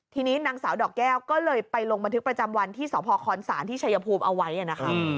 ทีนี้นางสาวดอกแก้วก็เลยไปลงบันทึกประจำวันที่สพคศที่ชัยภูมิเอาไว้นะคะ